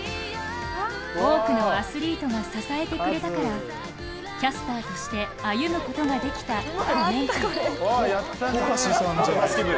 多くのアスリートが支えてくれたからキャスターとして歩むことができた５年間。